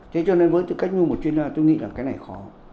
thế cho nên với tư cách như một chuyên gia tôi nghĩ là cái này khó